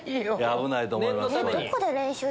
危ないと思います。